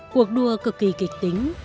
cuộc đua cực kỳ kịch tính